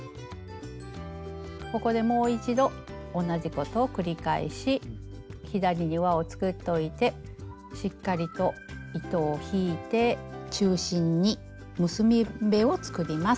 ここでもう一度同じことを繰り返し左に輪を作っといてしっかりと糸を引いて中心に結び目を作ります。